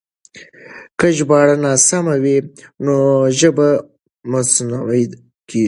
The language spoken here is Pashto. که ژباړه ناسمه وي نو ژبه مصنوعي کېږي.